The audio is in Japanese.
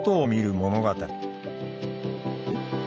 物語。